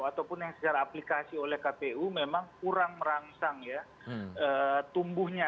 ataupun yang secara aplikasi oleh kpu memang kurang merangsang ya tumbuhnya